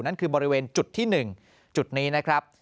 นั่นคือบริเวณจุดที่๑จุดนี้นะครับ